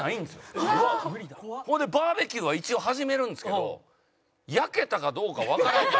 ほんでバーベキューは一応始めるんですけど焼けたかどうかわからんから。